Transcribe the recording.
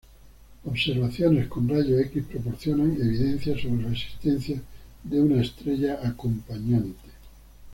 Observaciones con rayos X proporcionan evidencia sobre la existencia de una estrella acompañante.